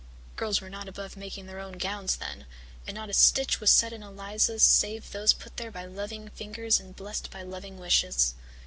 Girls were not above making their own gowns then, and not a stitch was set in Eliza's save those put there by loving fingers and blessed by loving wishes.